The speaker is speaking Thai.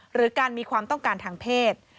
หรือการมีความต้องการทางเพศ